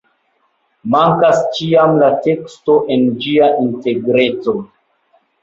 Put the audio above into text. Mankas ĉiam la teksto en ĝia integreco.